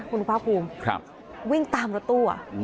คุณอุปสรรค์ครูมครับวิ่งตามรถตู้